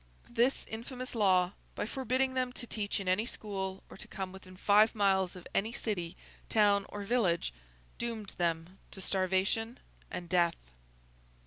This infamous law, by forbidding them to teach in any school, or to come within five miles of any city, town, or village, doomed them to starvation and death.